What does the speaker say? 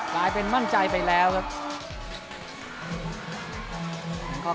กลายเป็นมั่นใจไปแล้วครับ